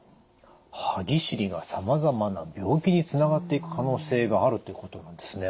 歯ぎしりがさまざまな病気につながっていく可能性があるということなんですね。